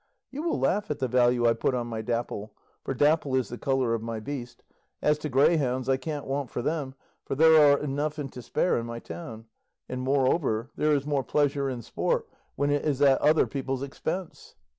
You will laugh at the value I put on my Dapple for dapple is the colour of my beast. As to greyhounds, I can't want for them, for there are enough and to spare in my town; and, moreover, there is more pleasure in sport when it is at other people's expense."